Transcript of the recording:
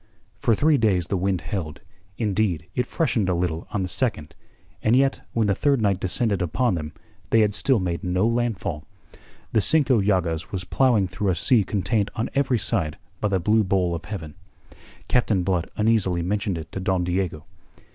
For three days the wind held, indeed it freshened a little on the second, and yet when the third night descended upon them they had still made no landfall. The Cinco Llagas was ploughing through a sea contained on every side by the blue bowl of heaven. Captain Blood uneasily mentioned it to Don Diego.